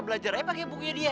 belajarnya mulai dia